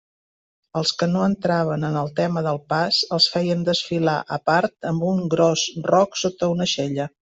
Els que no entraven en el tema del pas els feien desfilar a part amb un gros roc sota una aixella.